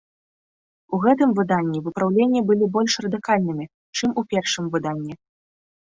У гэтым выданні выпраўленні былі больш радыкальнымі, чым у першым выданні.